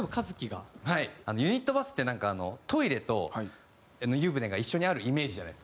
ユニットバスってなんかトイレと湯船が一緒にあるイメージじゃないですか。